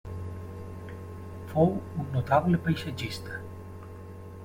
Fou un notable paisatgista.